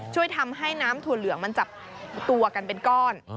ช่วยทำให้น้ำถั่วเหลืองมันจับตัวกันเป็นก้อน